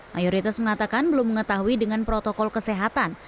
mayoritas mengatakan belum mengetahui dengan protokol kesehatan